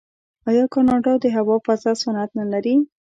آیا کاناډا د هوا فضا صنعت نلري؟